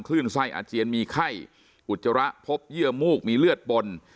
ื่นไส้อาเจียนมีไข้อุจจาระพบเยื่อมูกมีเลือดปน